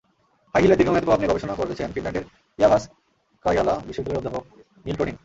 High হিলের দীর্ঘমেয়াদি প্রভাব নিয়ে গবেষণা করেছেন ফিনল্যান্ডের ইয়াভাস্কায়লা বিশ্ববিদ্যালয়ের অধ্যাপক নিল ক্রোনিন।